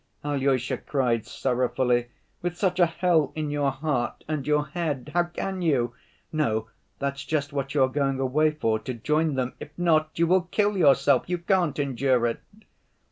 Alyosha cried sorrowfully. "With such a hell in your heart and your head, how can you? No, that's just what you are going away for, to join them ... if not, you will kill yourself, you can't endure it!"